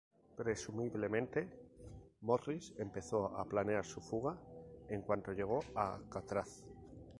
Presumiblemente, Morris empezó a planear su fuga en cuanto llegó a Alcatraz.